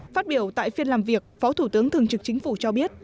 phát biểu tại phiên làm việc phó thủ tướng thường trực chính phủ cho biết